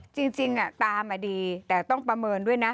จริงตามมาดีแต่ต้องประเมินด้วยนะ